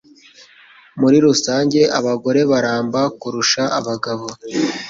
Muri rusange, abagore baramba kurusha abagabo.